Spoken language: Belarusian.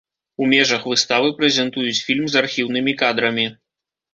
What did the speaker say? У межах выставы прэзентуюць фільм з архіўнымі кадрамі.